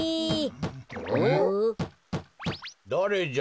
だれじゃ？